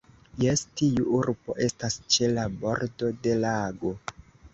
Jes, tiu urbo estas ĉe la bordo de lago.